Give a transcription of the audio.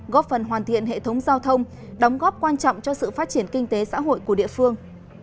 góp phần hoàn thiện hệ thống giao thông đóng góp quan trọng cho sự phát triển kinh tế xã hội của địa phương